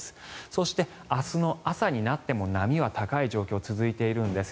そして明日の朝になっても波は高い状況は続いているんです。